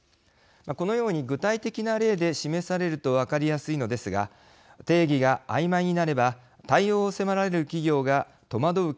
このように具体的な例で示されると分かりやすいのですが定義があいまいになれば対応を迫られる企業が戸惑うケースも考えられます。